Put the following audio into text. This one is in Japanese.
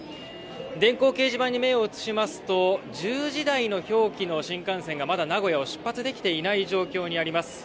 電光掲示板に目を移しますと１０時台の表記の新幹線がまだ名古屋を出発できていない状況にあります。